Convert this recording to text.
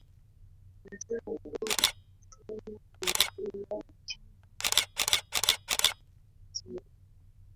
Lazima tu ungesema ulikuwa mchezo mzuri na wa kuvutia